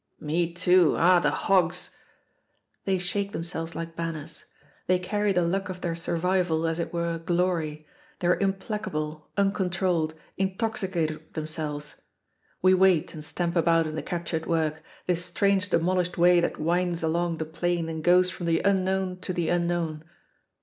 "Me, too. Ah, the hogs!" They shake themselves like banners. They carry the luck of their survival as it were glory; they are implacable, uncontrolled, intoxicated with themselves. We wait and stamp about in the captured work, this strange demolished way that winds along the plain and goes from the unknown to the unknown.